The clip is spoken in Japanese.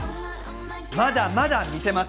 まだまだ見せます！